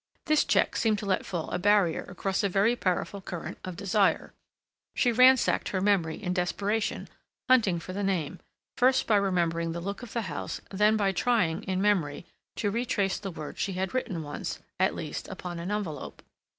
This check seemed to let fall a barrier across a very powerful current of desire. She ransacked her memory in desperation, hunting for the name, first by remembering the look of the house, and then by trying, in memory, to retrace the words she had written once, at least, upon an envelope.